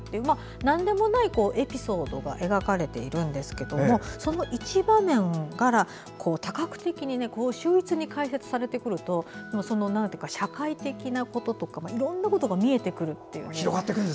なんでもないエピソードが描かれているんですけどもその一場面から多角的に秀逸に解説されてくると社会的なこととかいろんなことが見えてくる。